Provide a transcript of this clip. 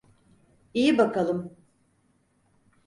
İyi bakalım.